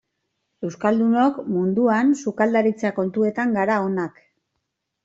Euskaldunok munduan sukaldaritza kontuetan gara onak.